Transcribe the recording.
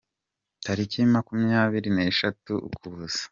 Tariki makumyabiri nesheshatu Ukuboza